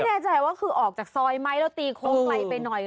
แน่ใจว่าคือออกจากซอยไหมแล้วตีโค้งไกลไปหน่อย